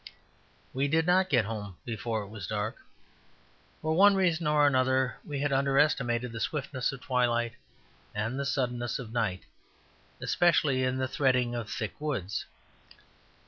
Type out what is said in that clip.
We did not get home before it was dark. For one reason or another we had underestimated the swiftness of twilight and the suddenness of night, especially in the threading of thick woods.